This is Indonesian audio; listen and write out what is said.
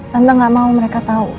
tante nggak mau mereka tau